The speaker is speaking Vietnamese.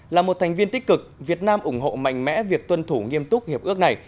là một thành viên tích cực việt nam ủng hộ mạnh mẽ việc tuân thủ nghiêm túc hiệp ước này